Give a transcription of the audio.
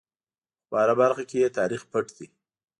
خو په هره برخه کې یې تاریخ پټ دی.